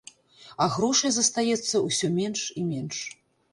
А грошай застаецца ўсё менш і менш.